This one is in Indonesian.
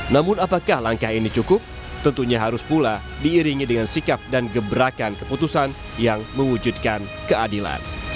namun apakah langkah ini cukup tentunya harus pula diiringi dengan sikap dan gebrakan keputusan yang mewujudkan keadilan